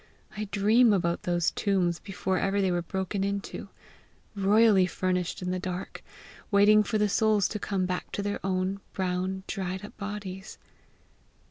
I dream about those tombs before ever they were broken into royally furnished in the dark, waiting for the souls to come back to their old, brown, dried up bodies!"